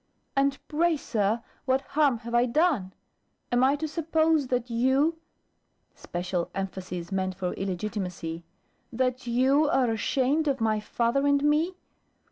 "And pray, Sir, what harm have I done? Am I to suppose that you" special emphasis meant for illegitimacy "that you are ashamed of my father and me?"